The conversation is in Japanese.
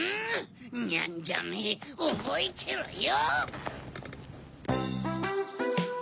ニャンジャめおぼえてろよ！